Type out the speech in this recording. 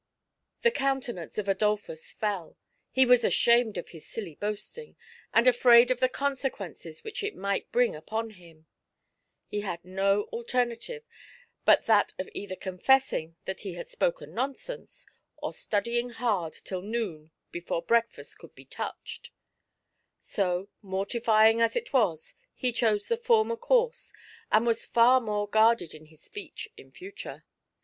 The countenance of Adolphus fell; he was ashamed of liis silly boasting, and afraid of the consequences which it might bring upon him He had no alternative but that of either confessing that he had spoken nonsense, or studying hard till noon before breakfast could be touched; so, mortifying as it was, he chose the former course, and was fai more guarded in his speech in future. 114 FAIR GRATITUDE.